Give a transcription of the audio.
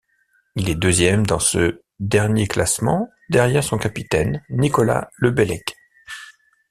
Il est deuxième dans ce dernier classement derrière son capitaine Nicolas Le Bellec.